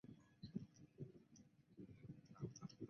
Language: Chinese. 中国大陆女性电影导演和编剧。